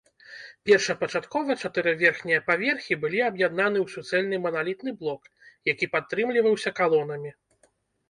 Першапачаткова чатыры верхнія паверхі былі аб'яднаны ў суцэльны маналітны блок, які падтрымліваўся калонамі.